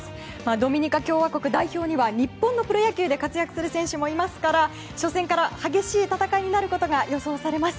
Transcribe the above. ドミニカ共和国代表には日本のプロ野球で活躍する選手もいますから初戦から激しい戦いになることが予想されます。